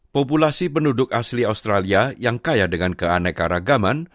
populasi penduduk asli australia yang kaya dengan keaneka ragaman